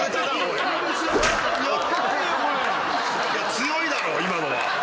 強いだろ今のは。